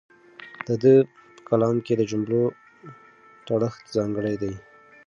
د ده په کلام کې د جملو تړښت ځانګړی دی.